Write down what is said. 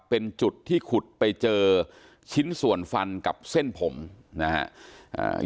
เป็นจุดที่ขุดไปเจอชิ้นส่วนฟันกับเส้นผมนะฮะ